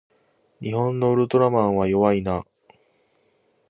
日本のウルトラマンは弱いな